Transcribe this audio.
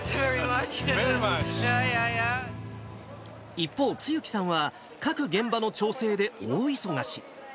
一方、露木さんは各現場の調整で大忙し。